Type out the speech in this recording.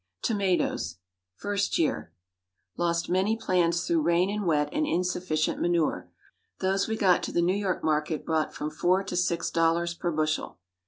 TOMATOES. First Year. Lost many plants through rain and wet, and insufficient manure. Those we got to the New York market brought from four to six dollars per bushel.